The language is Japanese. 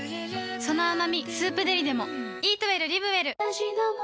その甘み「スープデリ」でも